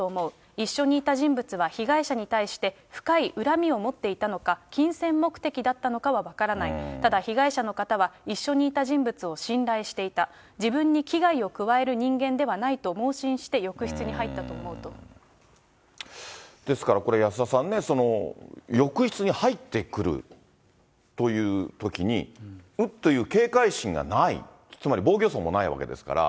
一緒にいた人物は被害者に対して深い恨みを持っていたのか、金銭目的だったのか分からない、ただ被害者の方は一緒にいた人物を信頼していた、自分に危害を加える人間ではないと妄信して、浴室に入ったと思うですから、これ、安田さんね、浴室に入ってくるというときに、おっという警戒心がない、つまり防御創もないわけですから、